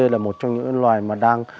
là một trong những loài mà đang